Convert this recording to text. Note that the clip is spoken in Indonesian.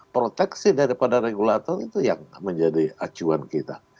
proteksi daripada regulator itu yang menjadi acuan kita